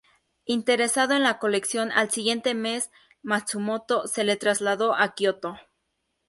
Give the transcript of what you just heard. Interesado en la colección, al siguiente mes Matsumoto se trasladó a Kioto.